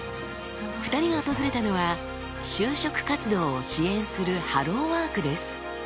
２人が訪れたのは就職活動を支援するハローワークです。